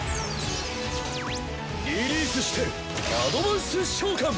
リリースしてアドバンス召喚！